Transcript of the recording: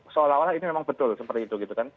soal awal ini memang betul seperti itu gitu kan